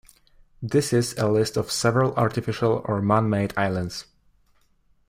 This is a list of several artificial or man-made islands.